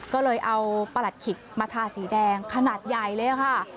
ก็เลยเอาประหลัดขิกมาทาสีแดงขนาดใหญ่เลยค่ะ